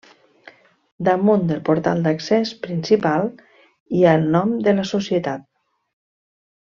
Damunt del portal d'accés principal hi ha el nom de la societat.